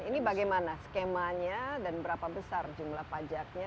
ini bagaimana skemanya dan berapa besar jumlah pajaknya